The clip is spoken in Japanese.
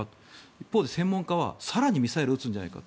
一方で専門家は更にミサイルを撃つのではないかと。